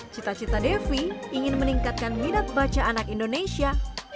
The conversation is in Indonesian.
cita cita devi ingin meningkatkan minat baca anak indonesia